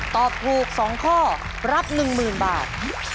ตอบถูก๒ข้อรับ๑๐๐๐บาท